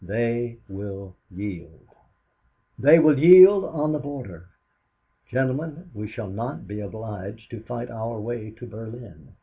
They will yield. They will yield on the border. Gentlemen, we shall not be obliged to fight our way to Berlin.